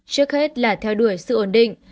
trước hết là theo đuổi sự ổn định